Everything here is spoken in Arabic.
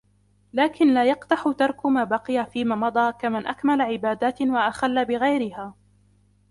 لَكِنْ لَا يَقْدَحُ تَرْكُ مَا بَقِيَ فِيمَا مَضَى كَمَنْ أَكْمَلَ عِبَادَاتٍ وَأَخَلَّ بِغَيْرِهَا